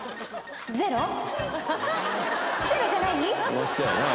楽しそうやなあ。